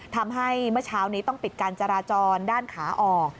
เมื่อเช้านี้ต้องปิดการจราจรด้านขาออก